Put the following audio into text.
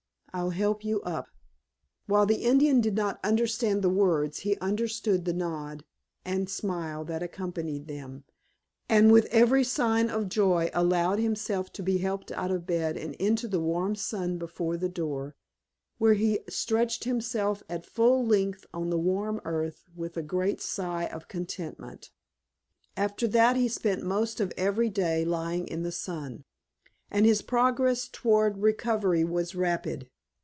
I'll help you up." While the Indian did not understand the words he understood the nod and smile that accompanied them, and with every sign of joy allowed himself to be helped out of bed and into the warm sun before the door, where he stretched himself at full length on the warm earth with a great sigh of contentment. After that he spent most of every day lying in the sun, and his progress toward recovery was rapid.